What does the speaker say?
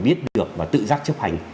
biết được và tự giác chấp hành